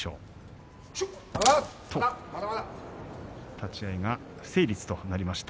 立ち合いが不成立となりました。